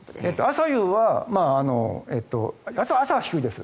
朝夕は、朝は低いです。